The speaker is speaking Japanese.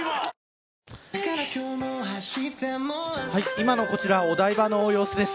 今のお台場の様子です。